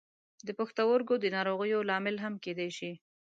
د پښتورګو د ناروغیو لامل هم کیدای شي.